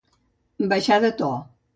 Baixar de to.